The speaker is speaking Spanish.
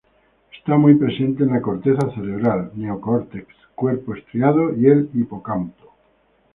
Está muy presente en la corteza cerebral, neocórtex, cuerpo estriado y el hipocampo.